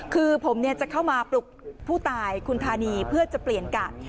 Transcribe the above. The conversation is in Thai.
คือผมจะเข้ามาปลุกผู้ตายคุณธานีเพื่อจะเปลี่ยนกาด